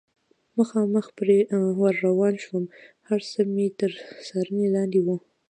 مخامخ پرې ور روان شوم، هر څه مې تر څارنې لاندې و.